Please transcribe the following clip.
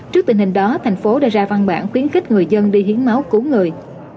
trước tình hình đó thành phố đã ra văn bản khuyến khích người dân đi hiến máu cứu người